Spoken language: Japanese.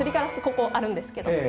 ここあるんですけど。